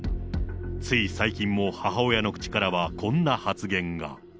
つい最近も母親の口からはこんな発言が。